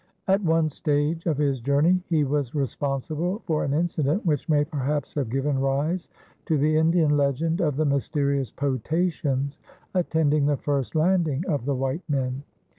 At one stage of his journey he was responsible for an incident which may perhaps have given rise to the Indian legend of the mysterious potations attending the first landing of the white men.